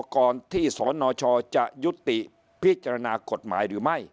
ก่อนที่สนชจะยุติพิจารณากฎหมายหรือไม่